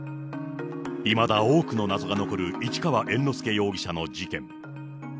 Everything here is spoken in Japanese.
いまだ多くの謎が残る市川猿之助容疑者の事件。